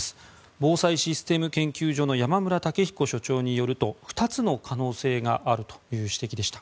防災システム研究所の山村武彦所長によると２つの可能性があるという指摘でした。